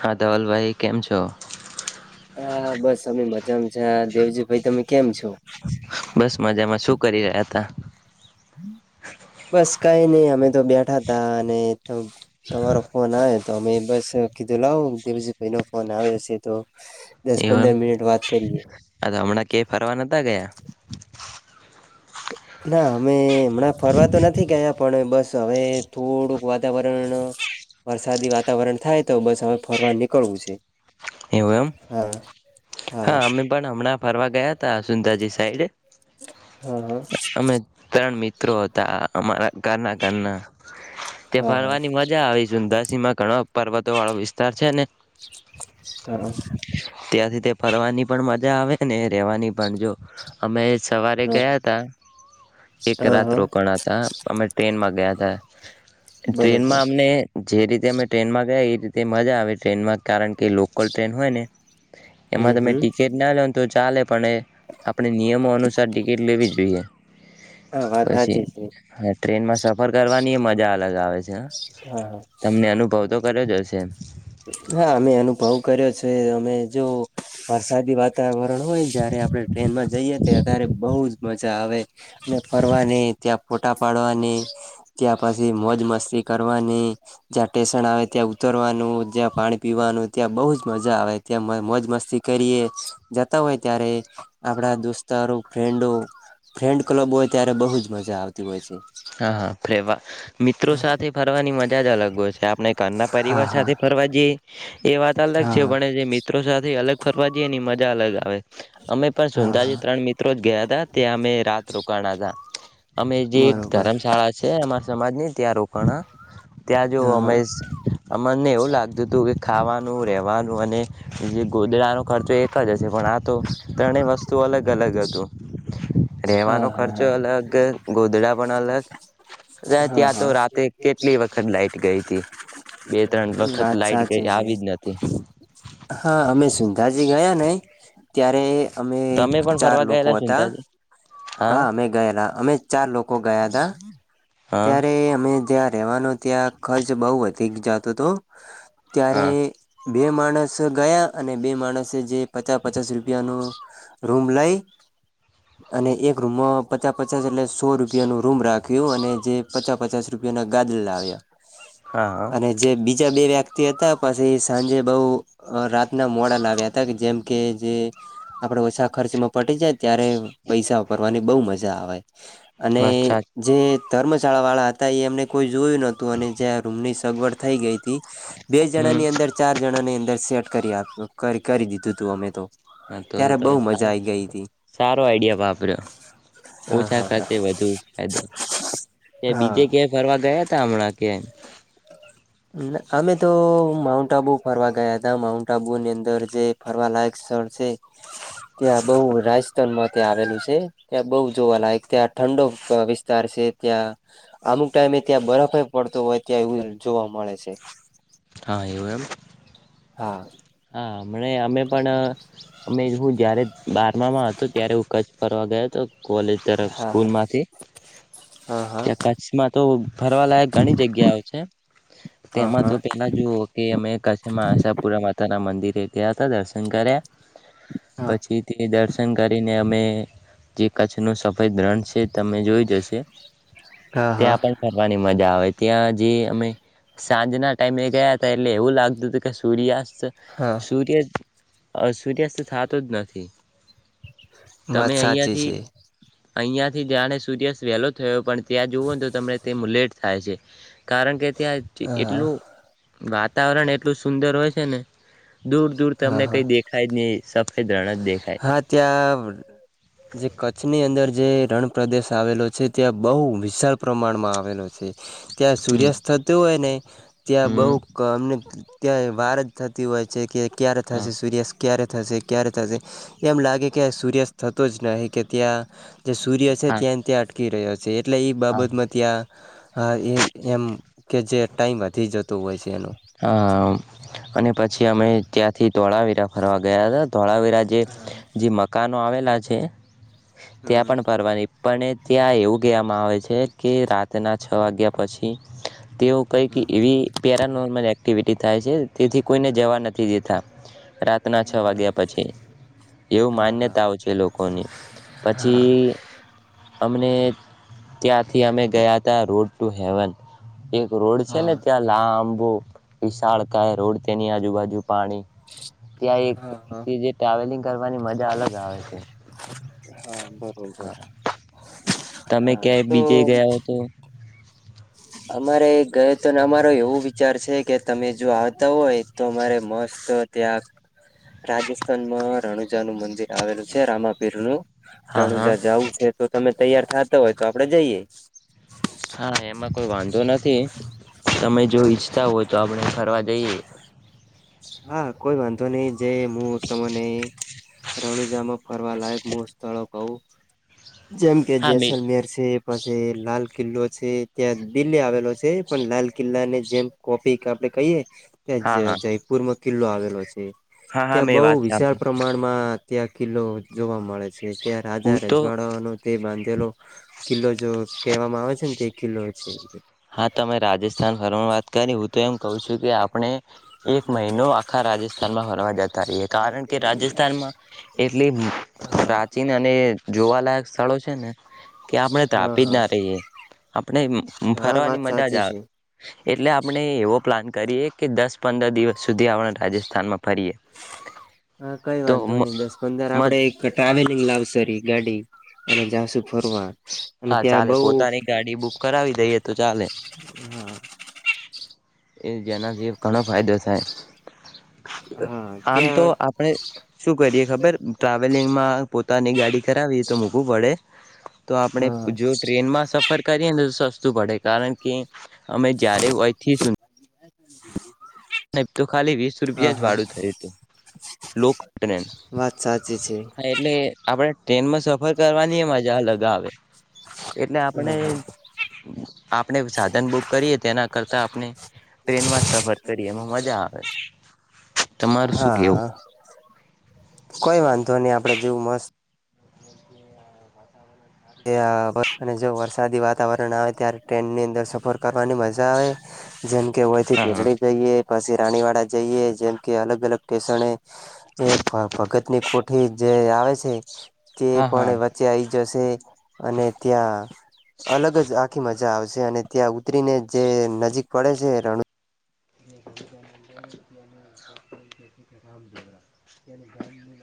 હા ધવલભાઈ કેમ છો હા બસ અમે મજામાં છે દેવજી ભાઈ તમે કેમ છો. બસ મજામાં શું કરી રહ્યા હતા બસ કઈ નહી અમે તો બેઠા તા અને તમારો ફોન આવે તમે બસ કીધું લાવ પી ભાઈ ન ફોન આવે હશે તો દસ એવમ પંદર મિનિટ વાત કરીએ હમણાં કય ફરવા નતા ગયા. ના અમે હમણાં ફરવા તો નથી ગયા પણ બસ તો હવે થોડુંક વાતાવરણ વરસાદી વાતાવરણ થાય તો બસ અ ફરવા નીકળવું છે. એવું એમ હા હા અમે પણ હમણાં પરવાગયાત હતા સુંદાજી સાઈડ હા હા અમે ત્રણ મિત્રો હતા અમારા કરના કરના. તે હા હા ફરવાની મજા આવીશું દસ. સીમા કણપ. પર્વતો વાળો વિસ્તાર છે ને હા ત્યાંથી તે ફરવાની પણ મ આવે કેને રહેેવાની પણ જો અમે સવારે ગયા હતા એક હા હા રાત હા રોકાણ હતા અમે ટ્રેનમાં ગયા હતા બરોબર ટ્રેનમાં અમને જે રીતે અમે ટ્રેનમાં ગયા એ રીતે મજા આવે ટ્રેનમાં કારણ કે કોલ ટ્રેન હોય ને હમ એમાં તમે હમ ટિકિટ ના લ લોને તો કાલ પણ આપણે નિયમો અનુસાર ટિકિટ લેવી જોઈએ હા વાત પછી સાચી છે ટ્રેનમાં સફર કરવાની એ મજા અલગ આવે છે હ હા તમને અનુભવ તો કર્યો જશેમ હા અમે અનુભવ કર્યો છે અમે જો વરસાદી વાતાવરણ. હોય જયારે આપણે ટ્રેનમાં જઈએ. અત્યારે બહુ જ મજા આવે ને ફરવાની ત્યાં ફોટા પાડવાની ત્યાં પછી મોજ મસ્તી કરવાની જ્યાં સ્ટેશન આવે ત્યાં ઉતરવાનું જ્યાં પાણી પીવાનું ત્યાં બહુ જ મજા આવે ત્યાં મોજ મસ્તી કરીએ જતા હોય ત્યારે આપણા દોસ્તારો ફ્રેન્ડો ફ્રેન્ડ ક્લબ હોય ત્યારે બહુ જ મજા આવતી હોય છે. હા હા ફવા મિત્રો સાથે ફરવાની મજા જ અલગ હોય છે આપણે. ક ના હા પરિવાર હા સાથે ફરવા જઈ. એ વાત અલગ છે હા પણ જે મિત્રો સાથે અલગ. ફરવા જઈએ એની મજા અલગ આવે. અમે પણ હા સુંંધાજી હા ત્રણ મિત્રો જ ગયા હતા. તે અમે રાત રોકાણા જા. અમે જે. બરોબર ધરમ શાળા છે એમાં. સમાજને ત્યાં રોકાણ. ત્યાં જ હા હા અમેશ મને એવું લાગતું હતું કે ખાવાનું રહેવાનું અને જે ગોધડાનો ખર્ચો એક જ હશે પણ આ તો ત્રણેય વસ્તુ અલગ અલગ હતું હા રહેવાનો હા ખર્ચો હા અલગ ગોદડા. પણ અલગ હા ત્યાં તો હા રાતે કેટલી વખત લાઈટ. ગઈ હતી બે ત્રણ વખત વાત લાઈટ ગઈ સાચી છે આવી જ નથી હા અમે સુુંંધાજી ગયા ને ત્યારે અમે તમે પણ ચાર ફરવા લોકો ગયેલા છો ને હતા ત્યાંથી હા અમે ગયેલા અમે ચાર લોકો ગયા હતા હા ત્યારે અમે જ્યાં રહેવાનું ત્યાં ખર્ચ બઉ વધી જતો તુ ત્યારે હા બે માણસ ગયા અને બે માણસે જે પચાસ પચાસ રૂપિયાનું રૂમ લઈ અને એક રૂમમાં પચાસ પચાસ એટલે સો રૂપિયા નું રૂમ રાખ્યું અને જે પચાસ પચાસ રૂપિયાના ગાદલા લાવ્યા. હા અને હા જે બી જા બે વ્યક્તિ હતા પછી સાંજે બઉ રાતના મોડા લાવ્યા તા કે જેમ કે જે આપડો ઓછા ખર્ચમાં પટી જાય ત્યારે પૈસા ભરવાની બઉ મજા આવે. અને અચ્છા જે ધર્મશાળા વાળા હતા એમને કોઈ જોયું ન તુ અને જ્યાં રૂમની સગવડ થઈ ગઈ હતી બે હમ જણાની અંદર ચાર જણાની દર સેટ કરી આપ્યું કર કરી દીધું તું અમે તો. હા તો તો ત્યારે તમે બહુ મજા સારા આઈ ગઈ હતી સારો આઈડિયા વાપર્યો હા ઓછા હા ખર્ચે વધુ ફાયદો કે હા બીજે કઈ ફરવા ગયા તા હમણાં. કેન. અમે તો માઉન્ટ આબુ ફરવા ગયા હતા માઉન્ટ આબુની અંદર જે ફરવાલાયક સ્થળ છે ત્યાં બઉ રાજસ્થાનમાં ત્યાં આવેલું છે ત્યાં બઉ જોવાલાયક ત્યાં ઠંડો વિસ્તાર છે ત્યાં અમુક ટાઈમે ત્યાં બરફ પડતો હોય ત્યાં એવું જોવા મળે છે. હા એવુ એમ. હા. હા હમણે અમે પણ અમે હું જયારે બારમામાં હતો ત્યારે હું કચ્છ ફરવા ગયો તો. કોલેજ તરફ હા હા સ્કૂલમાંથી હા હા ત્યા કચ્છમાં તો ફરવાલાયક ઘણી જગ્યા આવે છે. તેમાં તો પહેલા જે કે મેં કચમા આશાપુરામાં. તાના મંદિરે ગયા તા દર્શન કરવા. પછી તે દર્શ શન કરીને અમે જે કચનો સફેદ રંગ છે. તમે જોઈ જ હશે હા હા ત્યાં પણ ફરની મજા આવે. ત્યાં જે અમે સાંજના ટાઈમે ગયા હતા એટલે આવું લાગતું તું કે સૂર્યાસ્ત હા સૂર્ય આ સૂર્યાસ્ત થાતો નથી. મત્સા જે છે. આઈયાથી જાણે સૂર્યાસ્ત વહેલો થયો પણ પણ ત્યાં જુવો ને તો તમે તેમ લેટ થાય છે કારણ કે ત્યાંથી હા એટલું હા વાતાવરણ એટલું સુંદર હોય છે ને. દૂર દૂર હા તમને હા કઈ દેખાય જ નહી સફેદ રણ જ દેખાય હા ત્યાં જે કચ્છની અંદર છે રણ પ્રદેશ આવેલો છે, ત્યાં બહુ વિશાળ પ્રમાણમાં આવેલો છે. ત્યાં હમ સૂર્યાસ્ત થતું હોય અને ત્યાં બહુ હમ અમને ત્યાં વાર થતી હોય. જે કે ક્યારે હા થશે? સૂર્યાસ ક્યારે? થશે ક્યારે થશે. એમ લાગે કે સૂર્યાસ્ત થતો જ નહી કે ત્યાં જે સૂર્ય છે હા ત્યાં નત્યાં અટકી રહ્યો છે. એટલે ઈ હા બાબતમાં ત્યાં હા એ એમ કે, જે ટાઈમ વધી જતો હોય છે. એનો હા, અને પછી અમે ત્યાંથી ધોળાવીરા ફરવી ગયા હતાં. ધોળા વીરા જે, જે મકાન નો આવેલા છે. ત્યાં હમ પણ, ભરવાની. પણ ત્યાં એવું કહેવામાં આવે છે, કે રાતના છ વાગ્યા પછી તેઓ કંઈક હમ એવી પેરા નો એક્ટિવિટી થાય છે. તેથી કોઈને જવા નથી દેતા. રાતના છ વાગ્યા પછી એવું હા હા માન્યતાઓ છે લોકોની. હા હા પછી અમને ત્યાંથી અમે ગયા હતા. Road to heaven! એક રોડ છે ને, હા ત્યાં લાંબ [unintelligible] ઓ વિશાળ કાય રોડ તેની આજુબાજુ પાણી ત્યાં એક હા હા જે ટ્રાવેલિંગ, કરવાની મજા અલગ આવે છે. હા બરોબર હા [inaudible] તમે હા ક્યાંય તો બીજે ગયા હો તો? અમારે ગયો તો અમારો એવો વિચાર છે કે, તમે જો આવતા હોય તો, અમારે મસ્ત ત્યાં રાજસ્થાનમાં રણુજા નું મંદિર આવેલું છે. રામાપીર નું હા હા. રણુજા જાવું છે. તો તમે તૈયાર થા હોય તો આપડે જઈએ. હા એમાં કોઈ વાંધો ન થી. તમે જો ઈચ્છતા હોય તો આપણે ફરવા [unintelligible] હા કોઈ વાંધો નઈ જે મુું તમને રણુ જામા ફરવા લાયક મૂળ સ્થળો હો જેમ કે હા મે જેૈસલ મેર સે પછે લાલ કિલ્લો છે. ત્યાં દિલ્હી આવેલો છે, પણ લાલ કિલ્લા ને જેમ કોપીક આપડે કહીએ હા હા [unintelligible] કિલ્લો આવેલો છે. હા હા ત્યાં બહુ મેં વાત વિશાળ સાંભળી પ્રમાણમાં ત્યાં કિલ્લો જોવા મળે છે. ત્યાં હું રાજા તો રજવાડાઓનો તે બાંધ પેલો કિલ્લો જો કહેવામાં આવે છે ને તે કિલ્લો છે. હા તમે રાજસ્થાન ફરવાનું વાત કર્યુ હું તો એમ કહું છું કે આપણે એક મહિનો આખા રાજસ્થાનમાં હરવા જતા રહીએ, કારણ કે રાજસ્થાનમાં એટલી હા પ્રાચીન અને જોવાલાયક સ્થળો છે ને કે આપણે હા ત્રાપી જ હા ના રહીએ આપણે હા ફરવાની વાત મજા જ સાચી છે. આવે એટલે આપણે એવો પ્લાન કરીએ કે દસ પંદર દિવસ સુધી આપણે રાજસ્થાનમાં ફરીએ. હા, કઈ તો વાંધો ની દસ પંદર આપડે મજ એક ટ્રાવેલિંગ લાવશરી ગાડી. અને જાશું ફરવા. અને હા, ત્યાં ચાલે બઉ પોતાની ગાડી બુક કરાવી દઈએ તો ચાલે. હા એ જેના જીવ ઘણો ફાયદો થાય. હા [inaudible] આમ તો ત્યાં આપણે શું કરીએ ખબર ટ્રાવેલિંગમાં પોતાની ગાડી કરાવીએ તો મૂકવું પડે તો આપડે હા જો ટ્રેનમાં સફર કરીએ ને તો સસ્તું પડે કારણ કે અમે જ્યારે અય થી ફી [inaudible] [unintelligible] ખાલી વીસ હા રૂપિયા જ હા વાડું થયું હતું લોક [unintelligible] અને વાત સાચી છે. એટલે આપણે ટ્રેનમાં સફર કરવાની હો મજા અલગ આવે એટલે આપણે હા હા આપણે સાધન બુક કરીએ તેના કરતાં આપણે ટ્રેનમાં જ સફર કરીએ એમાં મજા આવે આવે તમારું શું કેવું હા, કોઈ વાંધો નહી આપડે જેવું મસ્ત. એ આ વર્ષા જેવું વરસાદી વાતાવરણ આવે ત્યારે ટ્રેનની અંદર સફર કરવાની મજા આવે. જેમકે વયથી હા હા ગધડી જઈએ. પછી રાણીવાડા જઈએ જેમ કે અલગ અલગ સ્ટેશને એ અ ભગત ની કોઠી જે આવે છે તે હા હા પણે વચ્ચે આયી જસે. અને ત્યાં અલગ જ આખી મજ જા આવશે અને ત્યાં ઉતરીને જે નજીક પડે છે રણું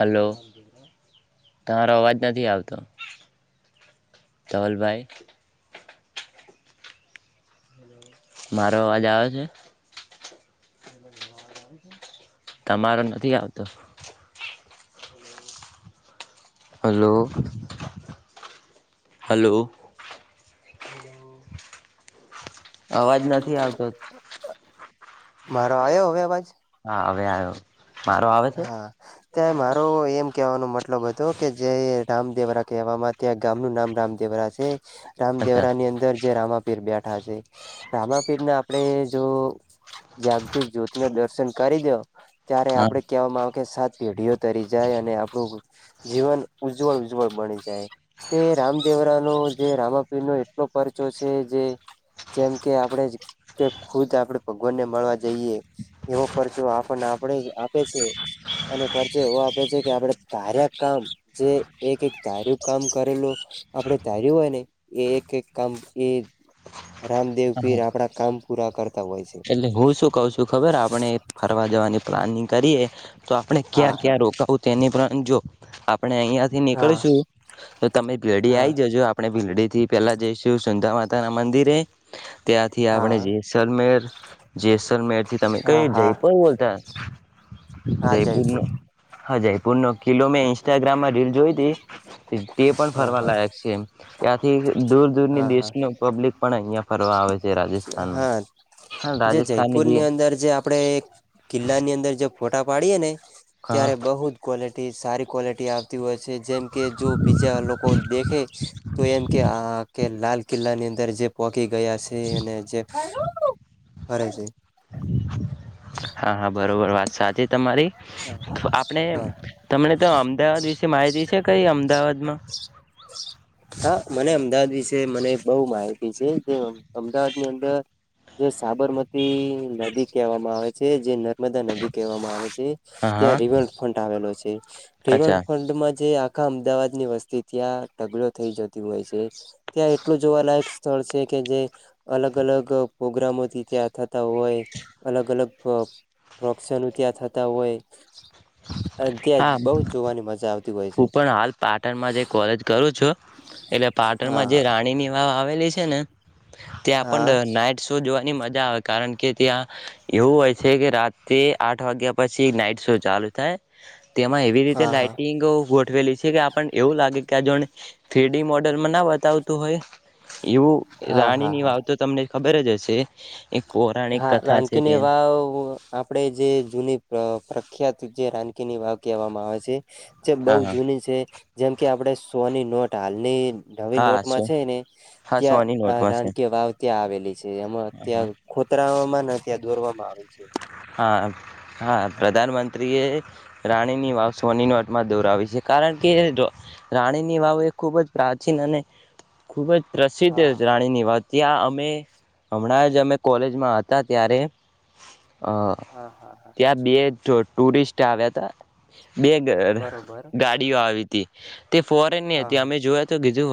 હલો તારો અવાજ નથી આવતો ધવલભાઈ. મારો અવાજ આવે છે? તમારો નથી આવતો. Hello hello. અવાજ નથી આવતો. મારો આયો હવે અવાજ. હા હવે આવ્યો મારો આવે આવે છે. હા, તે મારો એમ કેવાનો મતલબ હતો કે જે રામદેવરા કહેવામાં ત્યાં ગામ નું નામ રામદેવરા છે. અચ્છા રામદેવરા ની અંદર જે રામાપીર બેઠા છે રામાપીરને આપણેે જો જાગતિક જ્યોતીય દર્શન કરી દો ત્યારે આપ હા પડે કેવામાં આવે કે સાત પેઢીઓ તરી જાય અને આપણું જીવન ઉજ્જવળ ઉજ્જવળ બની જાય. તે રામદેવરા નું જે રામાપીર નો એટલો પરર્ચો છે, જે જેમ કે આપણે ખુદ આપડે ભગવાનને મળવા જઈએ એવો પરર્ચો આપને આપણી. આપે છે અને પરચે એવો આપે છે કે આપણે તાર્યા કામ, જે એક એક ધાર્યું કામ કરેલું આપણે ધાર્યું હોય ને, એ એક એક કામ એ. રામદેવ પીર હા આપણા કામ પૂરા કરે. એટલે હું શું કઉ છું? ખબર આપણે ફરવા જવાની પ્લાનિંગ કરીએ. તો આપણે હા ક્યાં હા ક્યાં રોકાવું તેની પણ અને જો આપ આપણે અહિંયા થી હા નીકળીશું તો તમે ભીલડી આઈ જજો. આપણે ભીલડીથી. થી પેલા જઈશું, સુંધા માતા ના મંદિરે ત્યાંથી હા આપણે હા જેસલમેર જે મે થી તમે કઈ હા હા જયપુર બોલતા? જયપુર ન હા, જયપુર. પૂર ન કિલો મેં ઇન્સ્ટાગ્રામમાં રીલ જોઈ હતી, તે પણ હા ફરવા હા લાયક છે, ત્યાંથી દૂર દૂરની હા દેશ હા નું પબ્લિક પણ અહિયાં ફરવા આવે છે રાજસ્થાનમાં. હા હા જે રાજસ્થાનની જે જયપુરની અંદર જે આપડે એક કિલ્લા ની અંદર જે. ફોટા પાડીએે ને હા ત્યાં બહુ જ કોલેટી એ સારી ક્વોલિટી આપ. હોય છે, જેમકે જો બીજા લોકો દેખે તો એમ કે આ કે લાલ કિલ્લા ની અંદર જે પો કી ગયા છે, અને જે ફરે છે. [unintelligible] સાથેજ. તમારી આપણે હા તમને તો અમદાવાદ વિશે માહિતી છે કંઈ અમદાવાદ? [unintelligible] હા, મને અમદાવાદ વિશે મને બહુ માહિતી છે, જે અમદાવાદ ની અંદર જે સાબરમતી નદી કહેવામાં આવે છે, જે નદી. નર્મદા નદી કહેવામાં આવે છે, હા હા ત્યાં રિવરફંડ આવેલો છે, રિવર અચ્છા ફંડમાં જે. અમદાવાદ ની વસ્તી ત્યાં ઢગલો થઈ જતી હોય છે, ત્યાં એટલું જોવાલાયક સ્થળ છે કે જે અલગ અલગ પ્રોગ્રામોથી ત્યાં. રહેતા હોય અલગ અલગ. પ્ર પ્રક્ષન ત્યાં થતા હોય. ત્યાં હા બહુ જ જોવાની મજા આવતી. હોય છે. હું પણ હાલ પાટણમાં જે કોલેજ કરું છું એટલે પાટણમાં જે હા રાણી ની વાત. પાવેલી છે ને ત્યાં હા આપ નાઈટ શો જોવાની. આવે કારણ કે ત્યાં એવું હોય છે કે રાતે આઠ વાગ્યા પછી નાઈટ શો ચાલુ થાય. તેમાં એવી રીતે હા હા હા લાાઈટિંગ. ઉઠવેલી છે કે આપણ એવું લાગે કે. ત્યા જો ફેડી મોડલમાં ના બતાવતું હોય. એવું હા હા રાણી હા ની હા વારતો તમને. ખબર જ હશે. એક પૌરાણિક હા કથા છે રાનકીની તે વા આપણેે જે જૂની પ્રખ્યાત. જે રાનકી ની વાાવ કહેવામાં આવે છે. જે બહ હા હા જૂની છે. જેમ કે આપડણે સોની નોટ હાલની. ઢવી હા નોટમાં સો છે ને હા સોની ત્યાં નોટમાં છે રાનકીય વાવ ત્યાં આવે. એમાં હા અત્યાં. ખોતરાવામાં ત્યાં દોરવામાં આવે. છે. હા હા પ્રધાનમંતંત્રી. રાણીની વાવ સોની ન અટમાં દોરાવી છે કારણ કે રાણીની વાવ એ ખૂબ જ પ્રાચીન અને ખૂબ જ. પ્રસિદ્ધ હા હા રાણી ની વાત ત્યાં. અમે હમણાં જ અમે કોલેજમાં હતા ત્યારે. અ હા હા હા ત્યાં બે જો. ટુરિસ્ટ આવ્યા હતા. બે બરોબર ગાડીઓ આવી. તે. તે ફોરેન ની હા હતી અમે જોયા તો. જોુ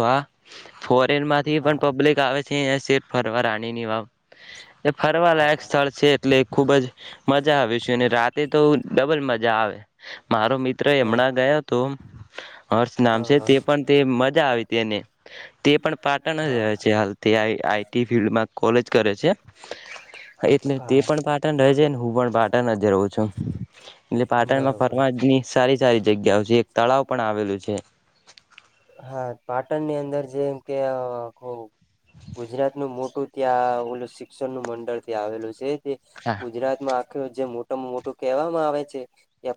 ફોર. પ્લેન માંથી હા પણ પબ્લિક આવે. શ ફરવા રાણી ની વાવ એ હા હા ફરવાલાયક હા સ્થળ છે. એટલે ખૂબ જ. મજા આવે છે અને રાતે તો ડબલ મજા. મજા આવે. મારો મિત્ર એમણાં ગયો હતો. [inaudible] હર્ષ નામ હા છે હા તે પણ તે મજા આવી તેને તે પણ પાટણ હા જ છે હાલ તે આવી આઈટી ફિલ્ડમાં કોલેજ કરે છે એટલે તે પણ હા પાટણ રહે છેને હું પણ પાટણ જ રહું છું એટલે પાટણમાં બરોબર ફરવાની સારી સારી જગ્યાઓ છે એક તળાવ પણ આવેલું છે. હા પાટણની અંદર જેમ કે. ગુજરાત નું મોટું ત્યાં ઓલું શિક્ષણ નું મંડળ ત્યાં આવેલું છે. તે હા ગુજરાત માં જે મોટામાં મોટું કહેવામાં આવે છે એ